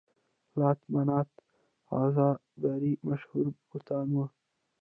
لات، منات، عزا درې مشهور بتان وو.